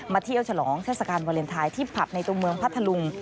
เที่ยวฉลองเทศกาลวาเลนไทยที่ผับในตัวเมืองพัทธลุง